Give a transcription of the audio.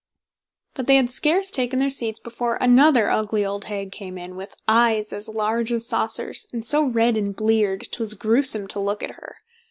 But they had scarce taken their seats before another ugly old hag came in, with eyes as large as saucers, and so red and bleared, 'twas gruesome to look at her.